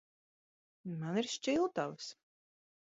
Man ir šķiltavas.